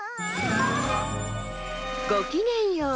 ごきげんよう。